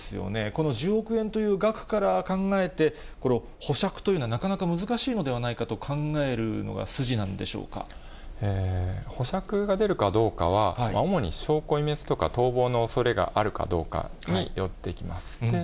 この１０億円という額から考えて、保釈というのはなかなか難しいのではないかと考えるのが筋なんで保釈が出るかどうかは、主に証拠隠滅とか、逃亡のおそれがあるかどうかによってきます。